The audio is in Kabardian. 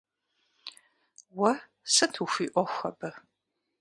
Уэ сыт хуиӀуэху абы?